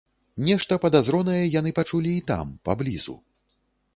Нешта падазронае яны пачулі і там, паблізу.